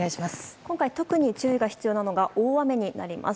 今回特に注意が必要なのが大雨になります。